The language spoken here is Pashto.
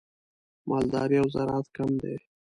مالداري او زراعت کم دي.